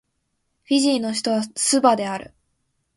フィジーの首都はスバである